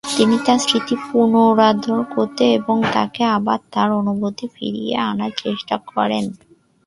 তিনি তার স্মৃতি পুনরুদ্ধার করতে এবং তাকে আবার তার অনুভূতিতে ফিরিয়ে আনার চেষ্টা করেন।